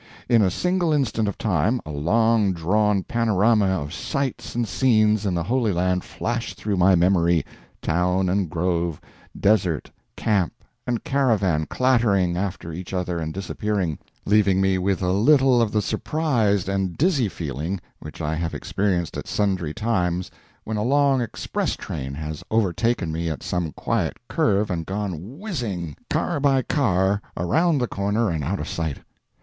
In a single instant of time, a long drawn panorama of sights and scenes in the Holy Land flashed through my memory town and grove, desert, camp, and caravan clattering after each other and disappearing, leaving me with a little of the surprised and dizzy feeling which I have experienced at sundry times when a long express train has overtaken me at some quiet curve and gone whizzing, car by car, around the corner and out of sight.